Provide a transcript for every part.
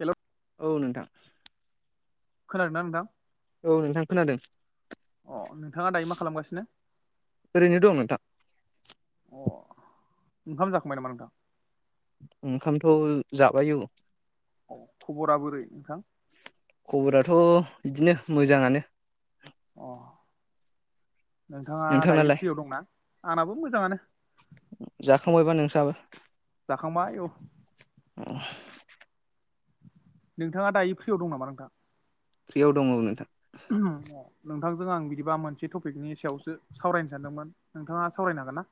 हेल' औ नोंथां। खोनादों ना नोंथां? औ नोंथां खोनादों। अ नोंथाङा दायो मा खालामगासिनो ओरैनो दं नोंथां। अ ओंखाम जाखांबाय नामा नोंथां? ओंखामथ' जाबाय औ। अह, खब'रा बोरै नोंथां? खब'राथ' बिदिनो मोजाङानो। अह। नोंथाङा दायो नोंथांनालाय प्रियाव दंना? आंनाबो मोजाङानो। जाखांबायबा नोंथाङाबो? खांबाय औ। नोंथाङा दायो प्रियाव दं नामा नोंथां? प्रियाव दङ औ नोंथां। [inaudible] नोंथांजों आं बिदिबा मोनसे टपिकनि सायावसो सावरायनो सान्दोंमोन, नोंथाङा सावरायनो हागोन ना?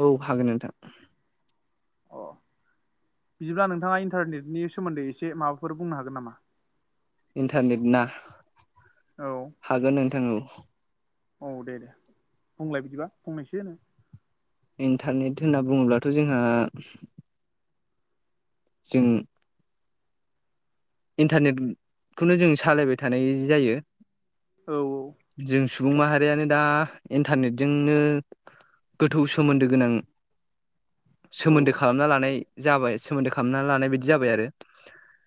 औ, हागोन नोंथां। अह, बिदिब्ला नोंथाङा इन्टारनेटनि सोमोन्दै एसे माबाफोर बुंनो हागोन नामा? इन्टारनेट ना, औ हागोन नोंथां औ। औ दे दे, बुंलाय बिदिबा फंनैसो नो। इन्टारनेट होन्ना बुङोब्लाथ' जोंहा जों इन्टारनेटखौनो जों सालायबाय थानाय जायो औ जों सु बुं माहारियानो दा इन्टारनेटजोंनो गोथौ सोमोन्दो गोनां। औ सोमोन्दो खालामना लानाय जाबाय सोमोन्दो खालामना लानाय बदि जाबाय आरो।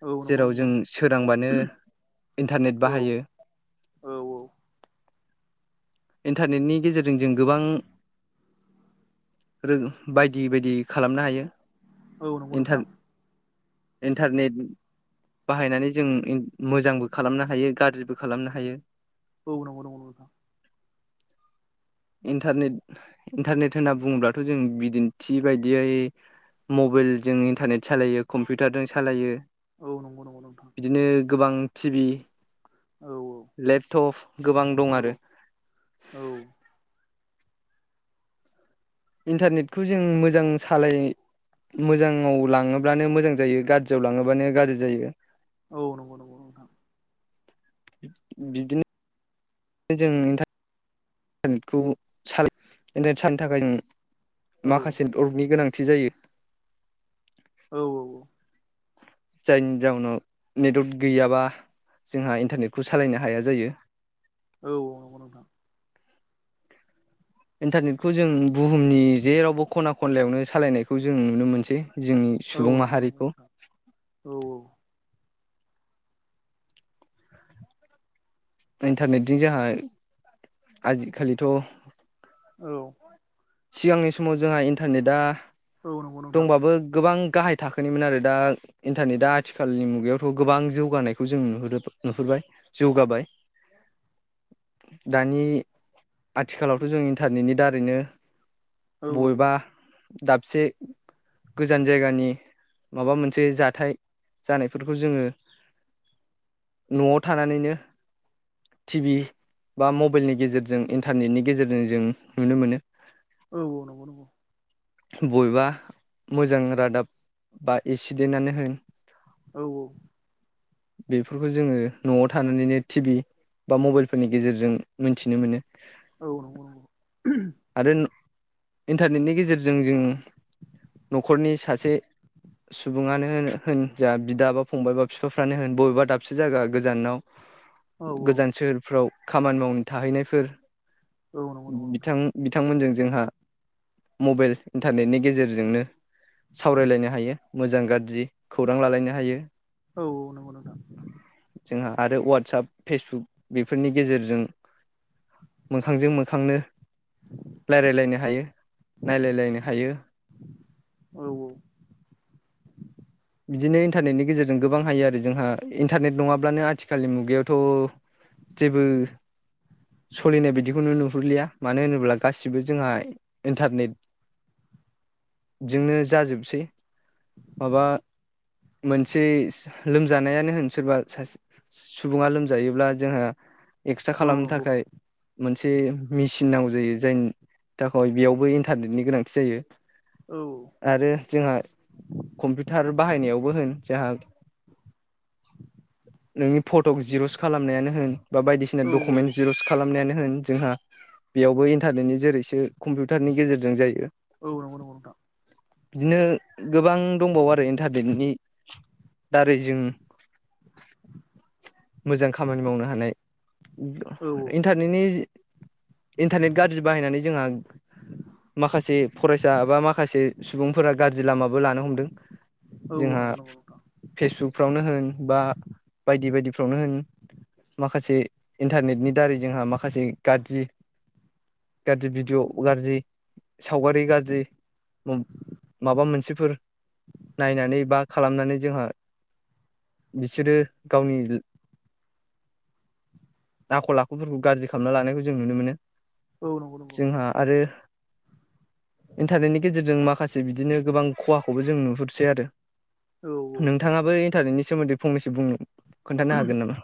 औ नंगौ जेराव जों नंगौ सोरांबानो इन्टारनेट औ बाहायो औ औ इन्टारनेटनि गेजेरजों जों गोबां रो बायदि बायदि खालामनो हायो। औ नंगौ इन्टार नोंथां। इन्टारनेट बाहायनानै जों मोजांबो खालामनो हायो गाज्रिबो खालामनो हायो। औ नंगौ नंगौ नंगौ नथां। इन्टारनेट इन्टारनेट होनना बुंङोब्लाथ' जों बिदिन्थि बायदियै मबाइलजों इन्टारनेट सालायो कम्पिउटारजों सालायो औ नंगौ नंगौ नोंथां बिदिनो गोबां टि भि औ लेपटप गोबां दं औ आरो। औ इन्टारनेटखौ जों मोजां सालाय मोजाङाव लाङोब्लानो मोजां जायो गाज्रियाव लाङोब्लानो गाज्रि जायो। औ नंगौ नंगौ नोंथां। बिदिनो जोंनि था इन्टारनेटखौ सालाइ इन्टारनेट सालायनो थाखाय औ जों माखासे [unintelligible] गोनां थि जायो। औ औ औ। जायनि जाउनाव नेटवार्क गैयाबा जोंहा इन्टारनेटखौ सालायनो हाया जायो। औ औ नंगौ नोंथां। इन्टारनेटखौ जों बुहुमनि जेरावबो खना खनलायावनो सालायनायखौ जों नुनो मोनसै। जोंनि औ सुबुं नंगौ नंगौ माहारिखौ। नोंथां औ इन्टारनेटजों जोंहा आजिखालिथ' औ। सिगांनि समाव जोंहा इन्टारनेटआ औ नंगौ नोंथां दंबाबो गोबां गाहाय थाखोनिमोन आरो दा इन्टारनेटआ आथिखालनि मुगायावथ' गोबां जौगानायखौ जों नुहुरो नुहुरबाय जौगाबाय दानि आथिखालावथ' जों इन्टारनेटनि दारैनो औ बबेबा दाबसे गोजान जायगानि माबा मोनसे जाथाय जानायफोरखौ जोंङो न'आव थानानैनो टि भि बा मबाइलनि गेजेरजों इन्टारनेटनि गेजेरजों जों नुनो मोनो। औ औ नंगौ नंगौ। बबेबा मोजां रादाब बा एक्सिडेन्टआनो होन औ औ। बेफोरखौ जोंङो न'आव थानानैनो टि भि बा मबाइलफोरनि गेजेरजों मिथिनो मोनो। औ नंगौ नंगौ [unintelligible] आरो इन्टारनेटनि गेजेरजों जों जों न'खरनि सासे सुबुंङानो होन होन जा बिदा बा फंबाय बा बिफाफ्रानो होन बबेबा दाबसे जायगा गोजानाव औ गोजान सोहोरफोराव खामानि मावनो थाहैनायफोर। औ नंगौ नंगौ नोंथां बिथां बिथांमोनजों जोंहा मबाइल इन्टारनेटनि गेजेरजोंनो सावरायलायनो हायो। मोजां गाज्रि। खौरां लालायनो हायो औ औ नोंगौ नोंथां। जोंहा आरो वाट्सप फेसबुक बेफोरनि गेजेरजों मोखांजों मोखां जों मो खांनो रायलायलायनो हायो नायलायलायनो हायो। औ बिदिनो इन्टारनेटनि गेजेरजों गोबां हायो आरो जोंहा इन्टारनेट नङाब्लानो आथिखालनि मुगायावथ' जेबो सोलिनाय बिदिखौनो नुहुरलिया मानो होनोब्ला गासिबो जोंहा इन्टारनेटजोंनो जाजोबसै माबा मोनसे लोमजानायानो होन सोरबा सुबुङा लोमजायोब्ला जोंहा। एकस्रा औ खालामनो नंगौ थाखाय मोनसे एसे मेचिन नांगौ जायो जायनि थाखाय बेयावबो इन्टारनेटनि गोनांथि जायो। औ आरो जोंहा कम्पिउ टार बाहायनायावबो होन जोंहा नोंनि फट'खौ जिर'स खालामनायानो होन। बा बायदिसिना औ डकुमेन्ट जिर'स खालामनायानो होन जोंहा बेयावबो इन्टारनेटनि जेरैसो कम्पिउटारनि गेजेरजों जायो। औ नंगौ नंगौ नोंथां बिदिनो गोबां दंबावो आरो। इन्टारनेटनि दारै जों मोजां खामानि मावनो हानाय औ इन्टारनेटनि इन्टारनेट गाज्रि बाहायनानै जोंहा माखासे फरायसा बा माखा माखासे सुबुंफोरा गाज्रि लामाबो लानो हमदों। औ जोंहा नंगौ नंगौ नोंथां फेसबुकफ्रावनो होन। बा बायदि बायदिफ्रावनो होन माखासे इन्टारनेटनि दारै जोंहा माखासे गाज्रि गाज्रि भिडिअ' गाज्रि सावगारि गाज्रि माबा मोनसेफोर नायनानै बा खालामनानै जोंहा बिसोरो गावनि आखल आखुफोरखौ गाज्रि खालामना लानायखौ जों नुनो मोनो। औ नंगौ नंगौ जोंहा आरो इन्टारनेटनि गेजेरजों माखासे बिदिनो गोबां खहाखौबो जों नुहुरदों सेै आरो। औ औ नोंथाङाबो इन्टारनेटनि सायाव सोमोनदै‌ फंनैसो बुंनो खोनथानो हागोन नामा।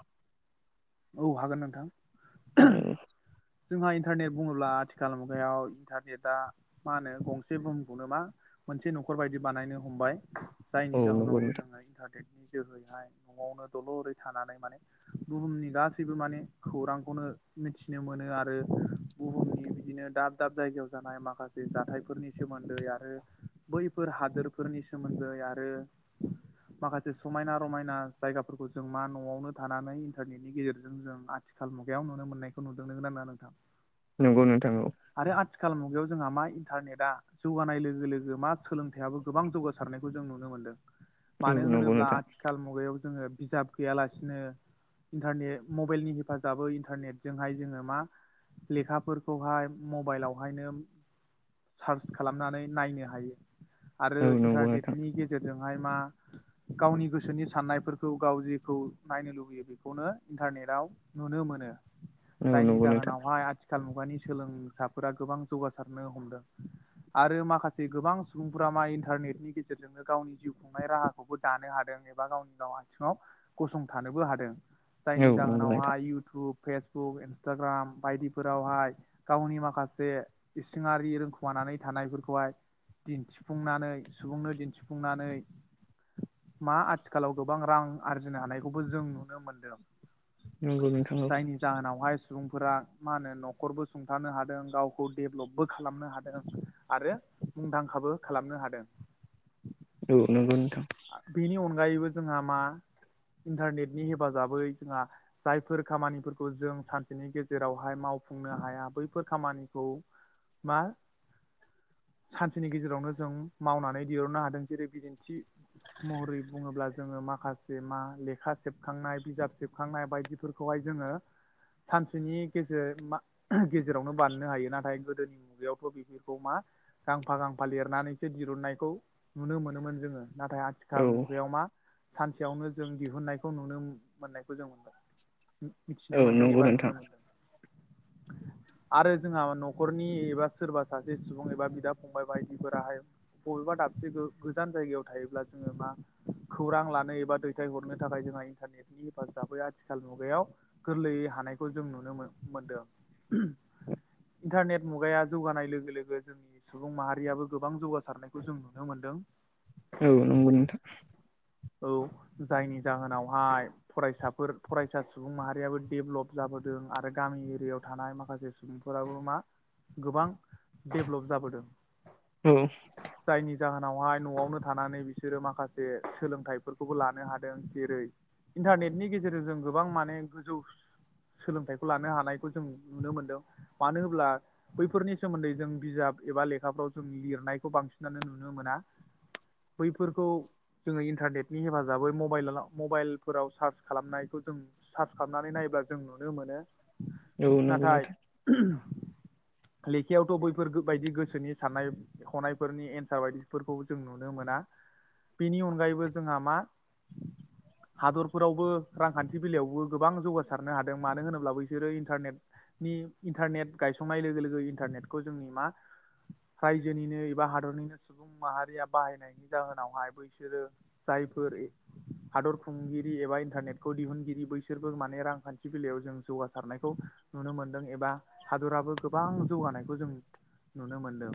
औ हागोन नोंथां जोंहा इन्टारनेट बुङोब्ला आथिखाल मुगायाव इन्टारनेटा मा होनो गंसे बुहुमखौनो मा मोनसे न'खर बायदि बानायनो हमबाय। औ जायनि नंगौ जाहोनाव नोंथां जोङो इन्टारनेटनि जोहैहाय न'आवनो दलरै थानानै माने बुहुमनि। गासैबो माने खौरांखौनो मिथिनो मोनो आरो बुहुमनि बिदिनो दाब दाब जायगायाव जानाय माखासे जाथायफोरनि सोमोन्दै आरो बैफोर हादोरफोरनि सोमोन्दै आरो माखासे समायना रमायना जायगाफोरखौ जों मा न'आवनो थानानै इन्टारनेट। बेनि गेजेरजों जों आथिखाल मुगायाव नुनो मोननायखौ नुदों नोंगौना नंआ नोंथां। नंगौ नोंथां औ। आरो आथिखाल मुगायाव जोंहा मा इन्टारनेटआ जौगानाय लोगो लोगो मा सोलोंथाइाबो गोबां जौगासारनायखौ जों नुनो मोनदों। औ मानो नंगौ होनोब्ला नोंथां आथिखाल मुगायाव जोङो बिजाब गैयालासिनो इन्टारनेट मबाइलनि हेफाजाबै इन्टारनेटजोंहाय जोङो मा लेखाफोरखौहाय मबाइलावहायनो सार्च खालामनानै नायनो हायो। आरो औ नंगौ नोंथां इन्टारनेटनि गेजेरजों मा गावनि गोसोनि साननायफोरखौ गाव जेखौ नायनो लुबैयो बेखौ खौनो इन्टारनेटाव नुनो मोनो। औ जायनि नंगौ नोंथां जाहोनावहाय आथि - खाल मुगानि सोलोंसाफोरा गोबां जौगासारनो हमदों आरो माखासे गोबां सुबुंफोरा मा इन्टारनेटनि गेजेरजोंनो गावनि जिउ खुंनाय राहाखौबो दानो हादों एबा गावनि गाव आथिङाव गसंथानोबो हादों। औ जायनि नंगौ जाहोनावहा नोंथां इउटुब फेसबुक इन्सटाग्राम बायदिफोरावहाय गावनि माखासे इसिङारि रोंखुमानानै थानायफोरखौहाय दिन्थिफुंनानै सुबुंनो दिन्थिफुंनानै मा आथिखालाव गोबां रां आरजिनो हानायखौबो जों नुनो मोनदों। नंगौ नोंथां जायनि जाहोनावहाय सुबुंफोरा मा होनो न'खरबो सुंथानो हादों गावखौ डेभ्लपबो खालामनो हादों आरो मुंदांखाबो खालामनो हादों। औ नोंगौ। बेनि अनगा अनगायैबो जोंहा मा इन्टारनेटनि हेफाजाबै जोंहा जायफोर खामानिफोरखौ जों सानसेनि गेजेरावहाय मावफुंनो हाया बैफोर खामानिखौ मा सानसेनि गेजेरावनो जों मावनानै दिहुननो हादों जेरै बिदिन्थि महरै बुङोब्ला जोङो माखासे मा लेखा सेबखांनाय बिजाब सेबखांनाय बायदिफोरखौहाय जोङो सानसेनि गेजेर गेजेरावनो बानायनो हायो नाथाय गोदोनि मुगायावथ' बेफोरखौ मा गांफा गांफा लिरनानैसो दहुनन्नायखौ नुनो मोनोमोन जोङो। नाथाय औ आथिखाल मुगायाव मा सानसेयावनो जों दिहुननायखौ नुनो मोननायखौ जों मोनदों। मिथिनो मोनदों नंगौ एबा नोंथां नुनो मोनदों। आरो जोंहा न'खरनि एबा सोरबा सासे सुबुं एबा बिदा फंबाय बायदिफोराहाय बबेबा दाबसे गोजान जायगायाव थायोब्ला जोङो मा खौरां लानो एबा दैथायहरनो थाखाय जोंहा इन्टारनेटनि हेफाजाबै आथिखाल मुगायाव गोरलैयै हानायखौ जों नुनो मोनदों इन्टारनेट मुगाया जौगानाय लोगो लोगो जोंनि सुबुं माहारियाबो गोबां जौगासारनायखौ जों नुनो मोनदों। औ नोंगौ नोंथां। औ जायनि जाहोनावहाय फरायसाफोर फरायसा सुबुं माहारियाबो देडेलप जाबोदों आरो गामि एरियायाव थानाय माखासे सुबुंफोराबो मा गोबां डेभ्लप जाबोदों औ जायनि जाहोनावहाय न'आवनो थानानै बिसोरो माखासे सोलोंथाइफोरखौबो लानो हादों जेरै इन्टारनेटनि गेजेरजों जों गोबां माने गोजौ सोलोंथाइखौ लानो हानायखौ जों नुनो मोनदों मानो होन्ला बैफोरनि सोमोन्दै जों बिजाब एबा लेखाफ्राव जों लिरनायखौ बांसिनानो नुनो मोना। बैफोरखौ जोङो इन्टारनेटनि हेफाजाबै मबाइल मबाइलफोराव सार्च खालामनायखौ जों सार्च खालामनानै नायोब्ला जों नुनो मोनो। औ नंगौ नाथाय नोंथां। लेखायावथ' बैफोर बायदि गोसोनि साननाय हनायफोरनि एन्सार बायदिफोरखौ जों नुनो। ननो मोना बेनि अनगायैबो जोंहा मा हादरफोरावबो रांखान्थि बेलायावबो गोबां जौगासारनो हादों मानो होनोब्ला बैसोरोन्टारनेट इन्टारनेट गायसंनाय लोगो लोगो इन्टारनेटखौ जोंनि मा रायजोनिनो एबा हादरनिनो सुबुं माहारिया बाहायनायनि जाहोनावहाय बैसोरो जायफोर हादर खुंगिरि एबा इन्टारनेटखौ दिहुनगिरि बैसोरबो माने रांखान्थि बेलायाव जों जौगासारनायखौ नुनो मोनदों एबा हादराबो गोबां जौगानायखौ जों नुनो मोनदों।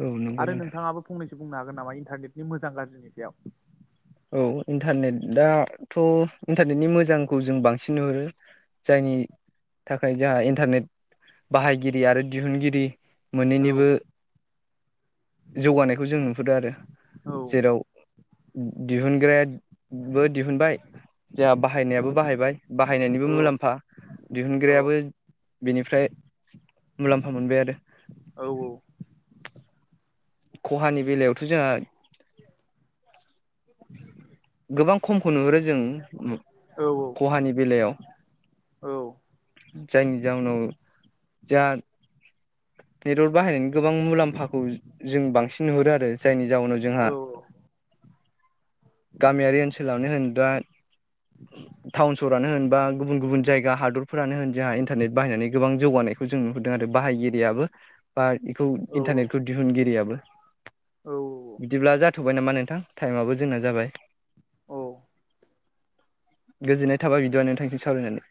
औ नंगौ आरो नोंथां नोंथाङाबो फंनैसो [inaudible] नामा इन्टारनेट मोजां गाज्रिनि सायाव। औ इन्टारनेटाथ' इन्टारनेटनि मोजांखौ जों बांसिन नुहुरो। जायनि थाखाय जोंहा इन्टारनेट बाहायगिरि आरो दिहुनगिरि औ मोननैनिबो जौगानायखौ जों नुहुरदों आरो औ जेराव- ओम। दिहुनग्राया बो दिहुनबाय जोंहा बाहायनायाबो बाहायबाय बाहायनायनिबो औ मुलाम्फा औ दिहुनग्रायाबो बेनिफ्राय मुलाम्फा मोनबाय। आरो औ खहानि बेलायावथ' जोंहा गोबां खमखौ नुहुरो जों खहानि बेलायाव, औ जायनि जाउनाव [unintelligible] नेटवार्क बाहायनायनि गोबां मुलाम्फाखौ जों बांसिन नुहरो आरो जायनि जाउनाव औ जोंहा गामियारि ओनसोलावनो होन बा टाउन सहरानो होनबा गुबुन गुबुन जायगा हादरफोरानो होन जोंहा इन्टारनेट बाहायनानै गोबां जौगानायखौ जों नुहुरदों आरो बाहायगि रिफोरा बा औ इन्टारनेटखौ दिहुनगिरियाबो औ बिदिब्ला उन्दुबायनामा नोंथां टाइमाबो जोंना जाबाय। औ औ गोजोननाय थाबाय बिदिबा नोंथांजों सावरायनानै।